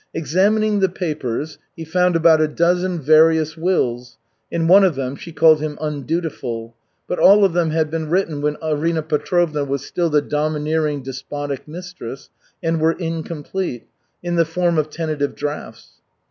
Examining the papers he found about a dozen various wills (in one of them she called him "undutiful"); but all of them had been written when Arina Petrovna was still the domineering, despotic mistress, and were incomplete in the form of tentative drafts.